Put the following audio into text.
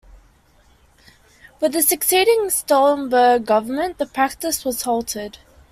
With the succeeding Stoltenberg Government, the practice was halted.